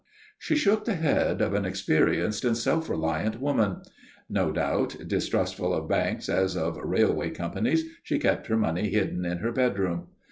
She shook the head of an experienced and self reliant woman. No doubt, distrustful of banks as of railway companies, she kept her money hidden in her bedroom.